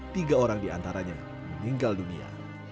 tiga orang di antaranya meninggal dunia